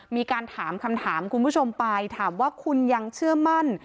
มีการถามคำถามคุณผู้ชมไปถามว่าคุณยังเชื่อมั่น